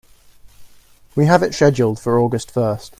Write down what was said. We have it scheduled for August first.